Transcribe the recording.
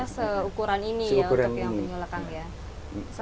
besarnya seukuran ini ya untuk yang penyuh lekang ya